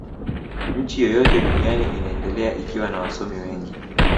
nchi yoyote duniani inaendelea ikiwa na wasomi wengi